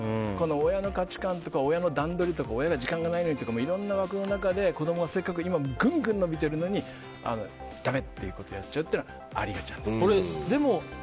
親の価値観とか段取りとか親が時間がないのにとかいろんな枠の中で子供がせっかくぐんぐん伸びてるのにだめ！っていうことをやっちゃうのはありがちなんです。